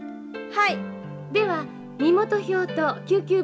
はい。